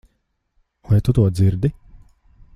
Vai tu to dzirdi?